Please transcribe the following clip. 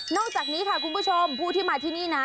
อกจากนี้ค่ะคุณผู้ชมผู้ที่มาที่นี่นะ